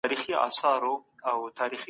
چاپيريال مو بايد پاک وساتو.